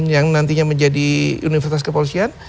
yang nantinya menjadi universitas kepolisian